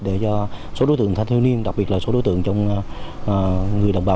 để cho số đối tượng thanh thiếu niên đặc biệt là số đối tượng trong người đồng bào